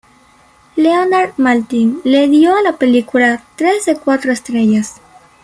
Leonard Maltin le dio a la película tres de cuatro estrellas.